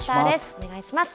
お願いします。